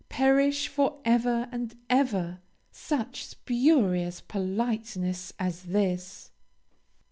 Perish for ever and ever such spurious politeness as this!